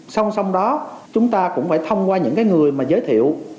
xong xong đó chúng ta cũng phải thông qua những người giới thiệu